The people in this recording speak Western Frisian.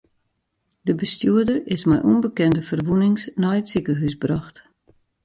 De bestjoerder is mei ûnbekende ferwûnings nei it sikehús brocht.